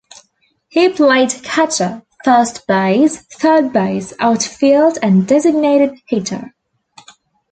He played catcher, first base, third base, outfield and designated hitter.